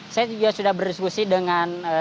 saya juga sudah berdiskusi dengan